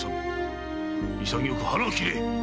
潔く腹を切れ！